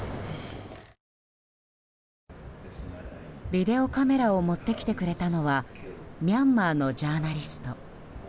ビデオカメラを持ってきてくれたのはミャンマーのジャーナリスト。